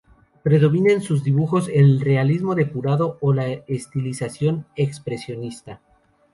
Predominan en sus dibujos el realismo depurado o la estilización expresionista.